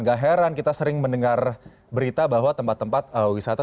gak heran kita sering mendengar berita bahwa tempat tempat wisata